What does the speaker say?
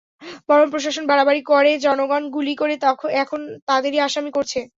বরং প্রশাসন বাড়াবাড়ি করে জনগণকে গুলি করে এখন তাদেরই আসামি করছে।